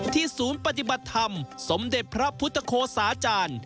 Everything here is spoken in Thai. ที่ศูนย์ปฏิบัติธรรมสมเด็จพระพุทธโครศาจร